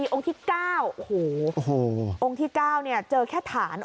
โอ้โหองค์ที่๙เจอแค่ฐาน